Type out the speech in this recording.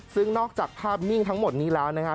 ซึ่งนอกจากภาพนิ่งทั้งหมดนี้แล้วนะครับ